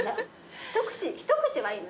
一口はいいの？